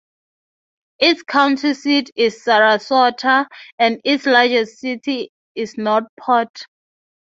Its county seat is Sarasota, and its largest city is North Port.